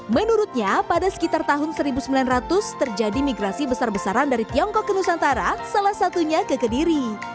menurutnya pada sekitar tahun seribu sembilan ratus terjadi migrasi besar besaran dari tiongkok ke nusantara salah satunya ke kediri